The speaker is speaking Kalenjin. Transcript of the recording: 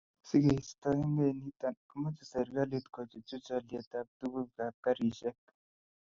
Si keistoekei nito komochei serkalit kochuchuch olyetab tugukab garisiek